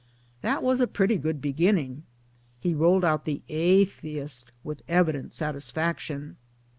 That was a pretty good beginningi ; he rolled out the " Atheist " with evident satisfaction.